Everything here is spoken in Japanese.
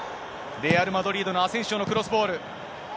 レアル・マドリードのアセンシオのクロスボール。